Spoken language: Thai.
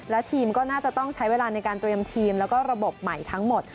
และทีมก็น่าจะต้องใช้เวลาในการเตรียมทีมแล้วก็ระบบใหม่ทั้งหมด